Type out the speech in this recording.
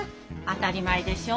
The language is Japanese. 当たり前でしょ。